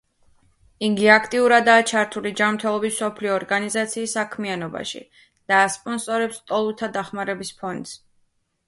იგი აქტიურადაა ჩართული ჯანმრთელობის მსოფლიო ორგანიზაციის საქმიანობაში და ასპონსორებს ლტოლვილთა დახმარების ფონდს.